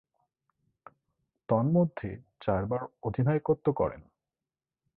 তন্মধ্যে চারবার অধিনায়কত্ব করেন।